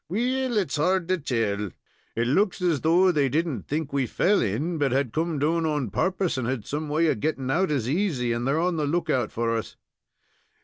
"Well it's hard to tell. It fooks as though they didn't think we fell in, but had come down on purpose, and had some way of getting out as easy, and they're on the look out for us."